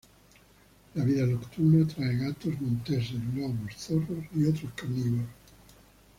La vida nocturna trae gatos monteses, lobos, zorros y otros carnívoros.